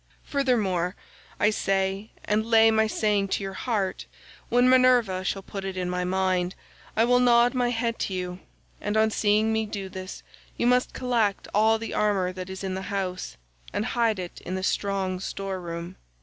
Furthermore I say, and lay my saying to your heart; when Minerva shall put it in my mind, I will nod my head to you, and on seeing me do this you must collect all the armour that is in the house and hide it in the strong store room.